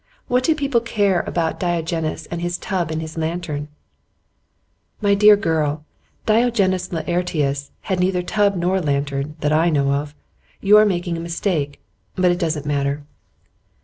What do people care about Diogenes and his tub and his lantern?' 'My dear girl, Diogenes Laertius had neither tub nor lantern, that I know of. You are making a mistake; but it doesn't matter.